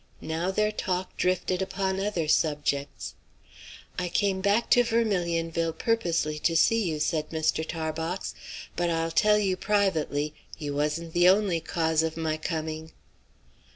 Now their talk drifted upon other subjects. "I came back to Vermilionville purposely to see you," said Mr. Tarbox. "But I'll tell you privately, you wasn't the only cause of my coming."